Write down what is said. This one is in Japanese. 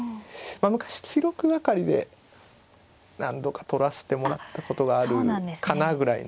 昔記録係で何度かとらせてもらったことがあるかなぐらいの。